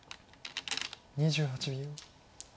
２８秒。